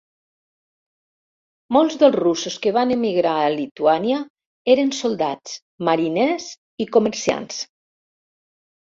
Molts dels russos que van emigrar a Lituània eren soldats, mariners i comerciants.